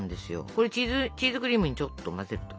これチーズクリームにちょっと混ぜると。